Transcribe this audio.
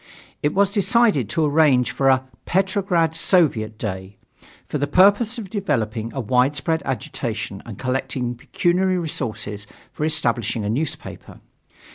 It was decided to arrange for a "Petrograd Soviet Day," for the purpose of developing a widespread agitation and collecting pecuniary resources for establishing a newspaper.